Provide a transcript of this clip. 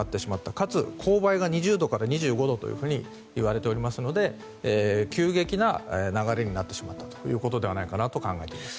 かつ、勾配が２０度から２５度といわれておりますので急激な流れになってしまったと考えています。